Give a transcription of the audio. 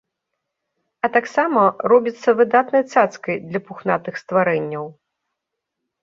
А таксама робіцца выдатнай цацкай для пухнатых стварэнняў.